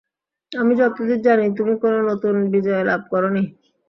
আমি যতদূর জানি, তুমি কোন নতুন বিজয়লাভ করনি।